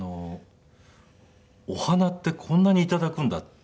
お花ってこんなに頂くんだって。